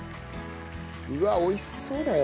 うわっ美味しそうだよ。